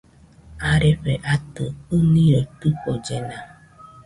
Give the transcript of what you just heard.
Arefe atɨ ɨniroi tɨfollena